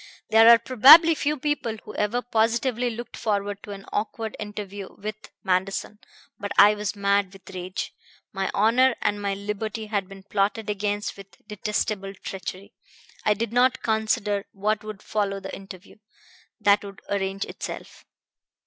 There are probably few people who ever positively looked forward to an awkward interview with Manderson; but I was mad with rage. My honor and my liberty had been plotted against with detestable treachery. I did not consider what would follow the interview. That would arrange itself.